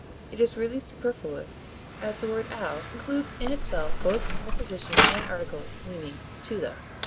39) it is really superfluous as the word al includes in itself both preposition and article, meaning "to the."